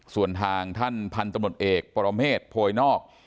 ส่วนทางท่านพันธุ์ตำรวจเอกปรเมษโพยนอก